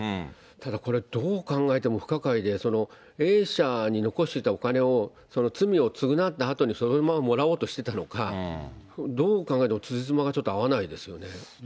ただこれ、どう考えても不可解で、Ａ社に残していたお金を、罪を償ったあとにそのままもらおうとしていたのか、どう考えてもつじつまがちょっと合わないですよね。